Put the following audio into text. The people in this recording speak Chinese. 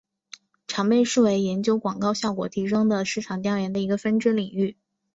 常被视为研究广告效果提升的市场调研的一个分支领域。